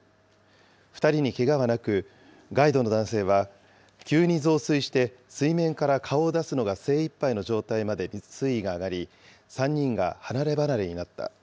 ２人にけがはなく、ガイドの男性は、急に増水して水面から顔を出すのが精いっぱいの状態まで水位が上がり、３人が離れ離れになった。